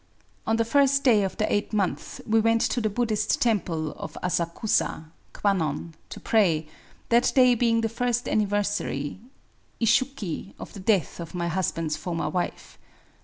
On the first day of the eighth month we went to the [Buddhist] temple of Asakusa [Kwannon] to pray, — that day being the first anniversary \isshuki\ of the death of my husband's former wife.